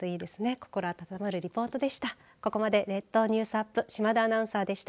心温まるリポートでした。